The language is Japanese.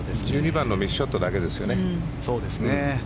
１２番のミスショットだけですよね。